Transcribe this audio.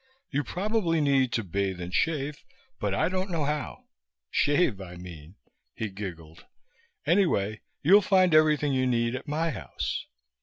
"You probably need to bathe and shave, but I don't know how. Shave, I mean." He giggled. "Anyway, you'll find everything you need at my house."